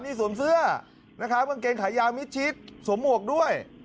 นี่สวมเสื้อกางเกงขายางมิชชีสสวมมวกด้วย